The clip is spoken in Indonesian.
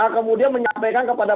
kemudian menyampaikan kepada